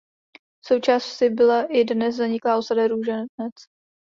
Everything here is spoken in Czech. Součástí vsi byla i dnes zaniklá osada "Růženec".